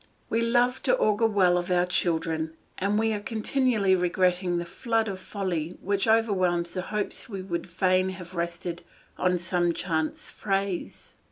We love to augur well of our children, and we are continually regretting the flood of folly which overwhelms the hopes we would fain have rested on some chance phrase.